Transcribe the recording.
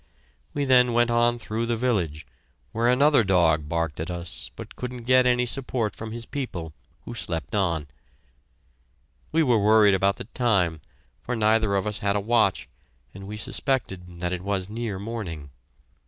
We then went on through the village, where another dog barked at us, but couldn't get any support from his people, who slept on. We were worried about the time, for neither of us had a watch, and we suspected that it was near morning.